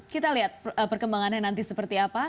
kita lihat perkembangannya nanti seperti apa